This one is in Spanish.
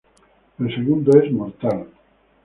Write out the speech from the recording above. El segundo es mortal.